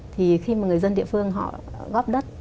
thì khi mà người dân địa phương họ góp đất